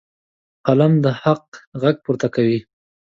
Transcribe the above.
قلم د حق غږ پورته کوي.